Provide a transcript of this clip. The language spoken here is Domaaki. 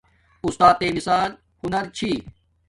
اُستاتݵ مثال ہنر چھی